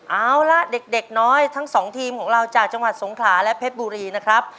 เอาล่ะเด็กน้อยทั้งสองทีมของเราจากจังหวัดสงขลาและเพชรบุรีนะครับ